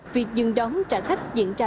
việc dừng đón trả khách diễn ra